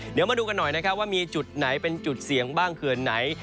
เดี๋ยวมาดูกันหน่อยนะครับว่ามีจุดไหนเป็นจุดเสี่ยงบ้างเขื่อนไหน